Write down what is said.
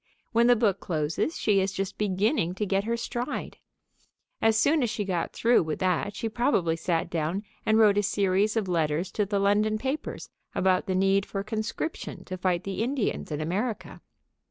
When the book closes she is just beginning to get her stride. As soon as she got through with that she probably sat down and wrote a series of letters to the London papers about the need for conscription to fight the Indians in America.